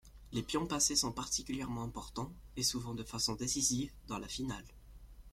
Les pions passés sont particulièrement importants, et souvent de façon décisive, dans la finale.